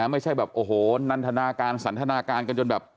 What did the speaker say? ไม่ใช่แบบโอ้โหนันทนาการสันทนาการกันจนแบบ